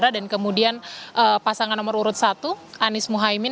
dan kemudian pasangan nomor urut satu anies muhaymin